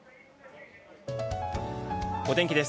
お天気です。